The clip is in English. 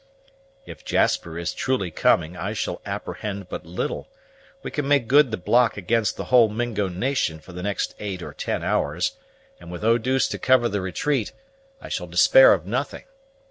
"If Jasper is truly coming, I shall apprehend but little. We can make good the block against the whole Mingo nation for the next eight or ten hours; and with Eau douce to cover the retreat, I shall despair of nothing.